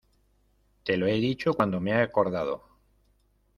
te lo he dicho cuando me he acordado.